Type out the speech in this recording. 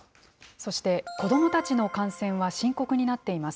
そして子どもたちの感染は深刻になっています。